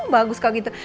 bagus kalau gitu